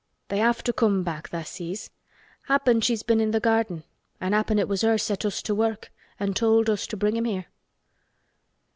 They have to come back, tha' sees. Happen she's been in the garden an' happen it was her set us to work, an' told us to bring him here."